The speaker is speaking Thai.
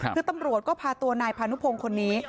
คือตำรวจก็พาตัวนายพานุพงศ์คนนี้